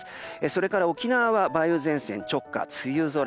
それから沖縄は梅雨前線直下、梅雨空。